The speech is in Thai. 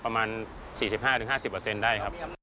ประมาณ๔๕๕๐ได้